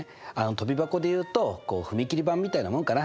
とび箱でいうと踏み切り板みたいなもんかな。